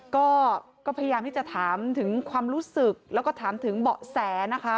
ก็พยายามที่จะถามถึงความรู้สึกแล้วก็ถามถึงเบาะแสนะคะ